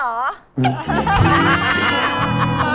ปอนก็เลยตอบว่า